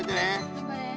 頑張れ。